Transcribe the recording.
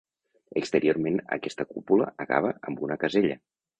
Exteriorment aquesta cúpula acaba amb una casella.